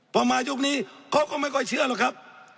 พอมายุคนี้เขาก็ไม่ค่อยเชื่อหรอกครับ